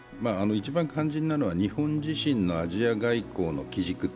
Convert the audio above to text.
一番肝心なのは、日本自身のアジア外国の基軸。